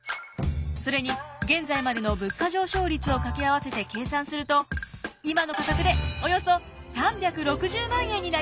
それに現在までの物価上昇率を掛け合わせて計算すると今の価格でおよそ３６０万円になります。